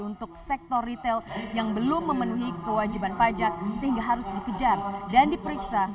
untuk sektor retail yang belum memenuhi kewajiban pajak sehingga harus dikejar dan diperiksa